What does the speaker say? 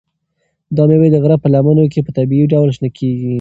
دا مېوې د غره په لمنو کې په طبیعي ډول شنه کیږي.